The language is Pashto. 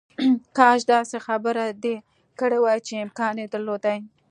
کاش داسې خبره دې کړې وای چې امکان یې درلودای